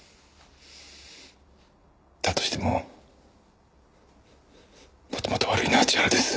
だとしてももともと悪いのは千原です。